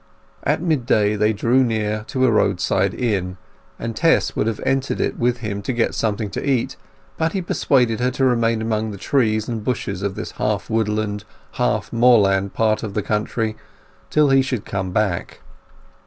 At mid day they drew near to a roadside inn, and Tess would have entered it with him to get something to eat, but he persuaded her to remain among the trees and bushes of this half woodland, half moorland part of the country till he should come back.